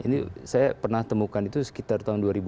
ini saya pernah temukan itu sekitar tahun dua ribu